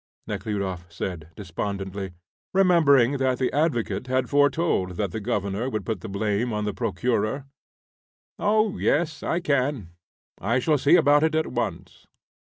Nekhludoff said, despondently, remembering that the advocate had foretold that the Governor would put the blame on the Procureur. "Oh, yes, I can. I shall see about it at once."